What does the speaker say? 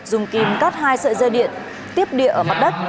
dùng kìm cắt hai sợi dây điện tiếp địa ở mặt đất